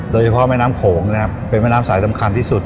โดยเฉพาะแม่น้ำโขงเป็นแม่น้ำสายสำคัญที่สุด